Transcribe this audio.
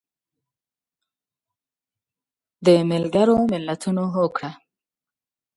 د ملګرو ملتونو هوکړه